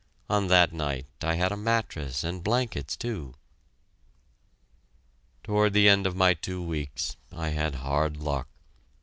On that night I had a mattress and blankets, too. Toward the end of my two weeks I had hard luck.